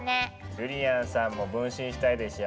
ゆりやんさんも分身したいでしょ。